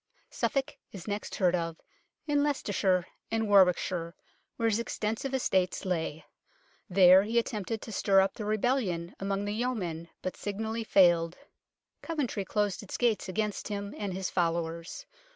Suffolk is next heard of in Leicestershire and Warwickshire, where his extensive estates lay. There he attempted to stir up rebellion among the yeomen, but signally failed. Coventry closed its gates against him and his followers.